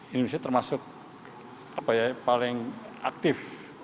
indonesia termasuk paling aktif